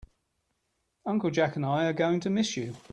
Uncle Jack and I are going to miss you.